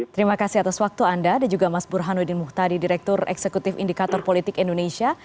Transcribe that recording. terima kasih atas waktu anda dan juga mas burhanuddin muhtadi direktur eksekutif indikator politik indonesia